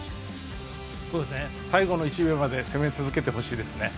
最後の１秒まで攻め続けてほしいですね。